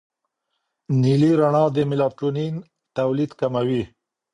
نیلي رڼا د میلاټونین تولید کموي.